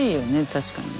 確かにね。